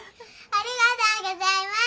ありがとうございます。